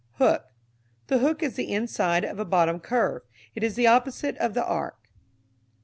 Hook. The hook is the inside of a bottom curve. It is the opposite of the arc.